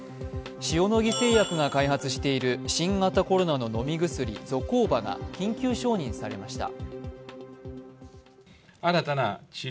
塩野義製薬が開発している新型コロナの飲み薬、ゾコーバが緊急承認されました。